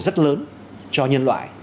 rất lớn cho nhân loại